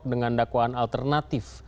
dengan dakwaan alternatif